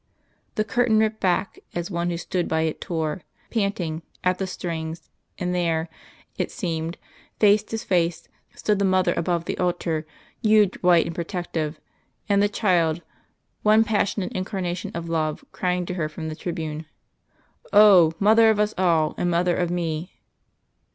The curtain ripped back, as one who stood by it tore, panting, at the strings; and there, it seemed, face to face stood the Mother above the altar, huge, white and protective, and the Child, one passionate incarnation of love, crying to her from the tribune. "Oh! Mother of us all, and Mother of Me!"